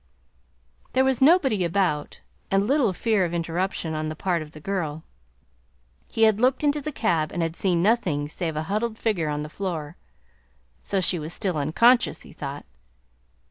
There was nobody about and little fear of interruption on the part of the girl. He had looked into the cab and had seen nothing save a huddled figure on the floor. So she was still unconscious, he thought.